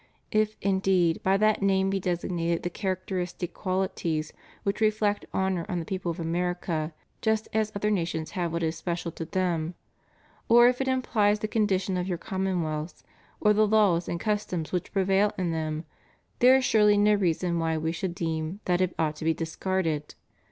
If, indeed, by that name be designated the characteristic qualities which reflect honor on the people of America, just as other nations have what is special to them; or if it implies the condition of your commonwealths, or the laws and cus toms which prevail in them, there is surely no reason why We should deem that it ought to be discarded.